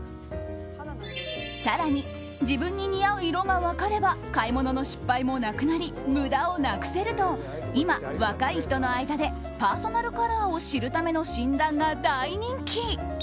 更に、自分に似合う色が分かれば買い物の失敗もなくなり無駄をなくせると今、若い人の間でパーソナルカラーを知るための診断が大人気。